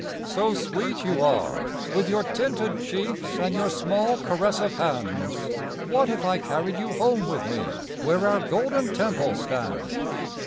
So sweet you are, with your tinted cheeks and your small caressive hands, What if I carried you home with me, where our Golden Temple stands?